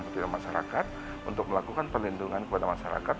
dalam bidang masyarakat untuk melakukan perlindungan kepada masyarakat